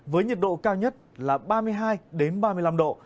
với nhiệt độ cao nhất là ba mươi hai ba mươi năm độ